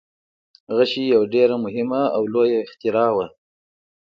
غشی یو ډیر مهم او لوی اختراع و.